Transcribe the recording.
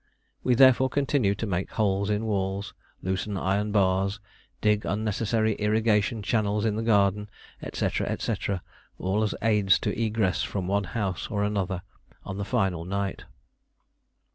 We therefore continued to make holes in walls, loosen iron bars, dig unnecessary irrigation channels in the garden, &c., &c., all as aids to egress from one house or another on the final night.